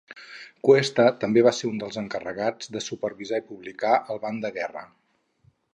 Cuesta també va ser un dels encarregats de supervisar i publicar el ban de guerra.